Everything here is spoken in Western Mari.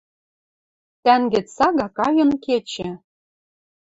Тӓнгет сага кайын кечӹ.